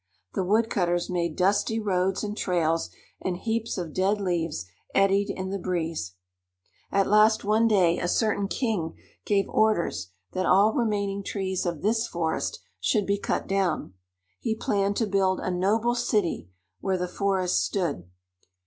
The woodcutters made dusty roads and trails, and heaps of dead leaves eddied in the breeze. At last one day a certain king gave orders that all remaining trees of this forest should be cut down. He planned to build a noble city where the forest stood.